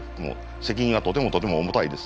責任はとてもとても重たいです。